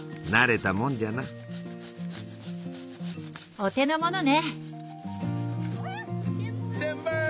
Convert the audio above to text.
お手のものね！